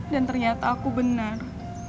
dan ternyata aku benar